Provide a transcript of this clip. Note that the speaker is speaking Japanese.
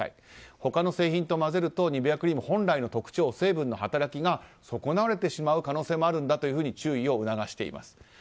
他の製品と混ぜるとニベアクリーム本来の特長や成分の働きが損なわれてしまう可能性があると注意を促しています。